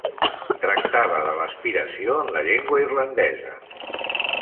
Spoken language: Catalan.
Tractava de l'aspiració en la llengua irlandesa.